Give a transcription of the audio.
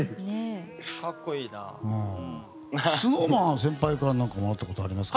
ＳｎｏｗＭａｎは先輩から何かもらったことありますか？